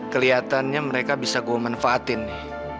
kelihatannya mereka bisa gue manfaatin nih